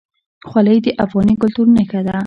خولۍ د افغاني کلتور نښه ده.